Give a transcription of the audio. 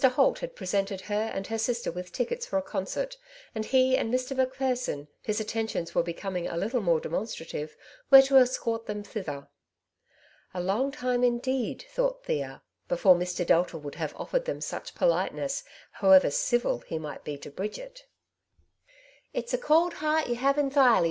Holt had presented her and her sister with tickets for a concert, and he and Mr. Macpherson, whose atten tions were becoming a little more demonstrative, were to escort them thither. "A long time, in deed,^^ thought Thea, '^ before Mr. Delta would have offered them such politeness, however ' civil ' he might be to Bridget.^^ '^It^s a cauld heart ye have enthirely.